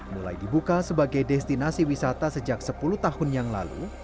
mulai dibuka sebagai destinasi wisata sejak sepuluh tahun yang lalu